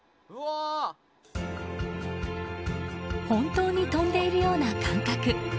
本当に飛んでいるような感覚。